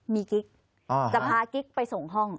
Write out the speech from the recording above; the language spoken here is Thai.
มีกิ๊กจะพากิ๊กไปส่งห้อง